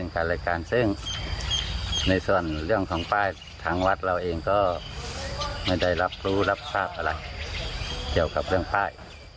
ก็ไม่ได้รับรู้รับทราบอะไรเกี่ยวกับเรื่องป้าย